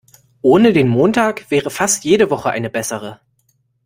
Ohne den Montag wäre fast jede Woche eine bessere.